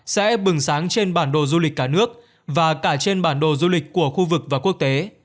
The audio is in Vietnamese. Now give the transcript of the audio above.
sẽ bừng sáng trên bản đồ du lịch cả nước và cả trên bản đồ du lịch của khu vực và quốc tế